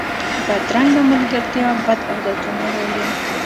بدرنګه ملګرتیا بد عادتونه راوړي